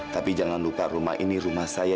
tapi jangan lupa rumah ini rumah saya